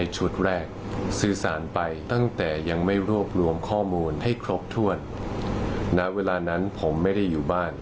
จึงร่วมข้อมูลให้ครบถ้วนณเวลานั้นผมไม่ได้อยู่บ้าน